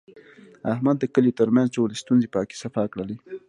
احمد د کلیوالو ترمنځ ټولې ستونزې پاکې صفا کړلې.